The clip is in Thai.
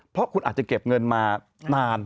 เพราะคุณอาจจะเก็บเงินมานาน